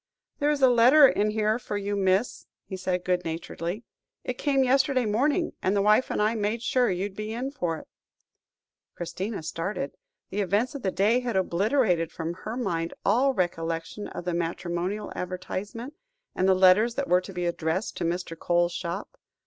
"There is a letter in here for you, miss," he said good naturedly; "it came yesterday morning, and the wife and I made sure you'd be in for it." Christina started. The events of the day had obliterated from her mind all recollection of the matrimonial advertisement, and the letters that were to be addressed to Mr. Coles's shop.